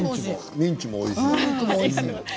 ミンチもおいしい。